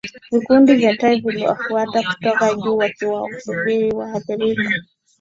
Vikundi vya tai viliwafuata kutoka juu vikiwasubiri waathirika